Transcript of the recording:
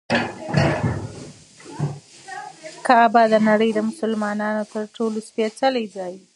کعبه د نړۍ د مسلمانانو تر ټولو سپېڅلی ځای دی.